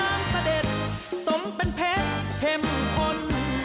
น้ำน้ำเสด็จสมเป็นเพชรเห็มพล